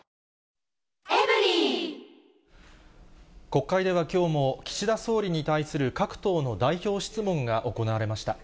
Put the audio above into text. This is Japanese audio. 国会ではきょうも、岸田総理に対する各党の代表質問が行われました。